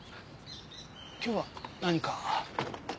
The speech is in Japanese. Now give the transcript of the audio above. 今日は何か？